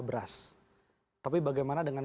beras tapi bagaimana dengan